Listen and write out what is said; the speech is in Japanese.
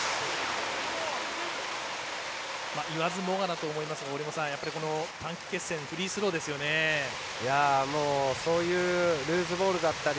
いわずもがなと思いますが短期決戦、フリースローですよね。